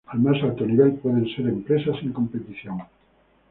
Al más alto nivel puden ser empresas en competición.